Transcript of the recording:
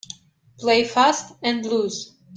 Play fast and loose